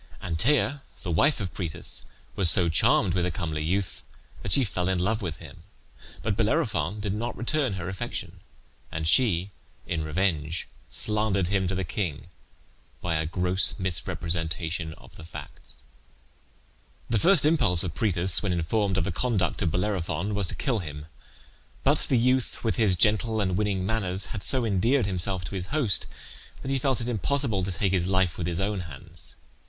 Antea, the wife of Proetus, was so charmed with the comely youth that she fell in love with him; but Bellerophon did not return her affection, and she, in revenge, slandered him to the king by a gross misrepresentation of the facts. The first impulse of Proetus, when informed of the conduct of Bellerophon, was to kill him; but the youth, with his gentle and winning manners, had so endeared himself to his host that he felt it impossible to take his life with his own hands.